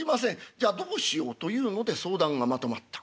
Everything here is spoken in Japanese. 「じゃあどうしよう」というので相談がまとまった。